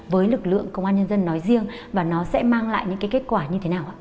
với lực lượng công an nhân dân nói riêng và nó sẽ mang lại những kết quả như thế nào ạ